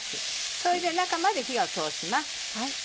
それで中まで火を通します。